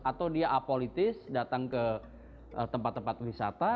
atau dia apolitis datang ke tempat tempat wisata